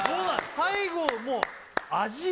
最後もう味？